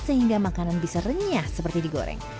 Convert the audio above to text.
sehingga makanan bisa renyah seperti digoreng